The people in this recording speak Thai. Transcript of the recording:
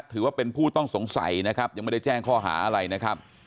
ถือว่าเป็นผู้ต้องสงสัยนะครับยังไม่ได้แจ้งข้อหาอะไรนะครับ